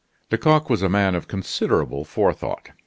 Lecoq was a man of considerable forethought.